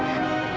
terima kasih mila